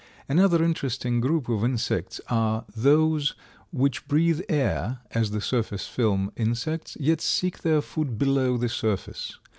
Another interesting group of insects are those which breathe air, as the surface film insects, yet seek their food below the surface.